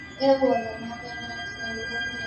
该说法现在还在许多欧洲语言中使用。